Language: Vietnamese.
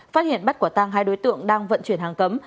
phát hiện bắt quả tăng hai đối tượng đang vận chuyển hàng cấm